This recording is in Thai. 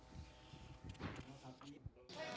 สามีไทย